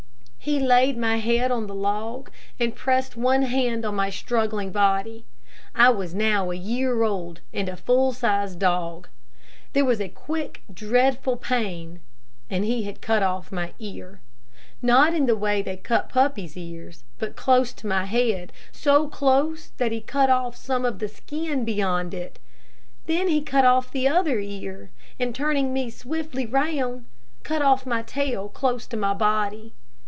He laid my head on the log and pressed one hand on my struggling body. I was now a year old and a full sized dog. There was a quick, dreadful pain, and he had cut off my ear, not in the way they cut puppies' ears, but close to my head, so close that he cut off some of the skin beyond it. Then he cut off the other ear, and, turning me swiftly round, cut off my tail close to my body.